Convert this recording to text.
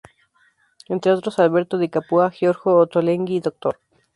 Entre otros Alberto Di Capua, Giorgio Ottolenghi, Dr.